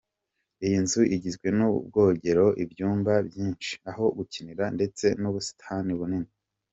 Iyi nzu igizwe n’Ubwogero, ibyumba byinshi, aho gukinira ndetse n’ubusitani bunini.